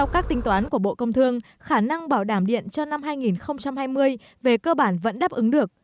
các tính toán của bộ công thương khả năng bảo đảm điện cho năm hai nghìn hai mươi về cơ bản vẫn đáp ứng được